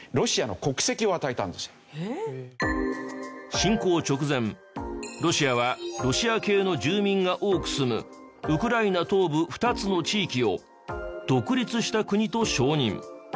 侵攻直前ロシアはロシア系の住民が多く住むウクライナ東部２つの地域を独立した国と承認。